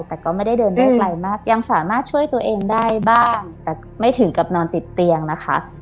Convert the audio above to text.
แต่ก็ไม่ได้เดินได้ไกลมากยังสามารถช่วยตัวเองได้บ้างแต่ไม่ถึงกับนอนติดเตียงนะคะ